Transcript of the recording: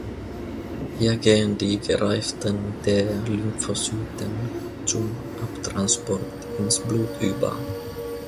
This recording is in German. Hier gehen die gereiften T-Lymphozyten zum Abtransport ins Blut über.